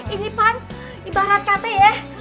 ini pan ibarat cabai ya